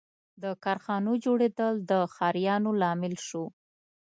• د کارخانو جوړېدل د ښاریاتو لامل شو.